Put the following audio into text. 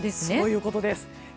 そういうことです。